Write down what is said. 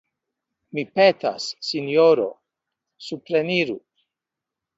Mi petas, sinjoro: supreniru!